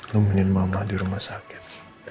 numin mama di rumah sakit